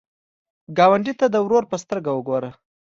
ګاونډي ته د ورور په سترګه وګوره